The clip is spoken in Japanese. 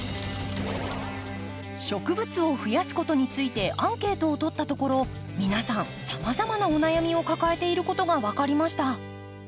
植物を増やすことについてアンケートを取ったところ皆さんさまざまなお悩みを抱えていることが分かりました。